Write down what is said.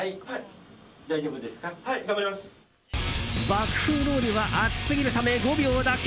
爆風ロウリュは熱すぎるため５秒だけ。